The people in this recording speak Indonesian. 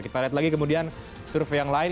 kita lihat lagi kemudian survei yang lain